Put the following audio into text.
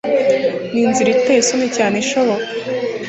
ninzira iteye isoni cyane ishoboka